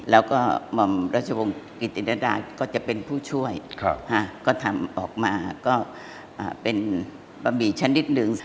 แล้วก็หม่อมรัชวงศ์กิติรดาก็จะเป็นผู้ช่วยก็ทำออกมาก็เป็นบะหมี่ชั้นนิดนึง